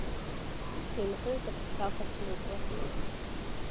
Сеимҳәоит аԥсцаха смоукәа.